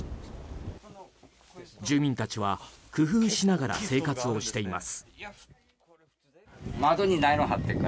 住民たちは工夫しながら生活をしています。